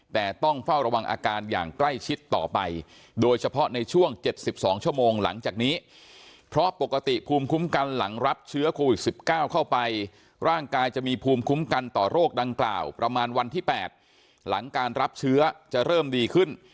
แต่ต้องเฝ้าระวังอาการอย่างใกล้ชิดต่อไปโดยเฉพาะในช่วง๗๒ชั่วโมงหลังจากนี้เพราะปกติภูมิคุ้มกันหลังรับเชื้อโควิด๑๙เข้าไปร่างกายจะมีภูมิคุ้มกันต่อโรคดังกล่าวประมาณวันที่๘หลังการรับเชื้อจะเริ่มดีขึ้น